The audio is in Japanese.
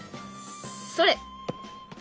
それ！